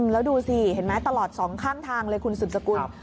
แล้วดูสิเห็นไหมตลอดสองข้างทางเลยคุณสืบสกุล